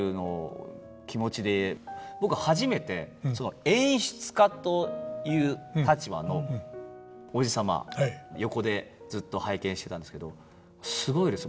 僕初めて演出家という立場のおじ様横でずっと拝見してたんですけどすごいです。